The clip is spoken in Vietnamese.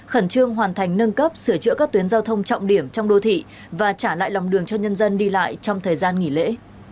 khẩn trương hoàn thành nâng cấp sửa chữa các tuyến giao thông trọng điểm trong đô thị và trả lại lòng đường cho nhân dân đi lại trong thời gian nghỉ lễ